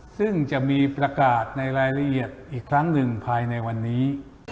ซึ่งจะมีประกาศในรายละเอียดอีกครั้งหนึ่งภายในวันนี้